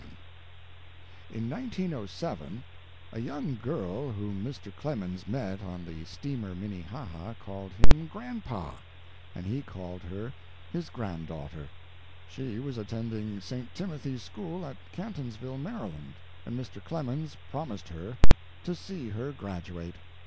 ADVICE TO GIRLS In 1907 a young girl whom Mr. Clemens met on the steamer Minnehaha called him "grandpa," and he called her his granddaughter. She was attending St. Timothy's School, at Catonsville, Maryland, and Mr. Clemens promised her to see her graduate.